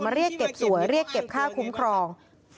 เรียกเก็บสวยเรียกเก็บค่าคุ้มครอง